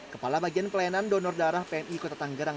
kepala bagian pelayanan donor darah pmi kota tanggerang